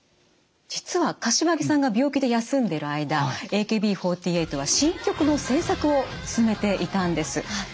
実は柏木さんが病気で休んでる間ＡＫＢ４８は新曲の制作を進めていたんです。